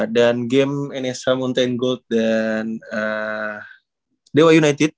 dan game nsh mountain gold dan dewa united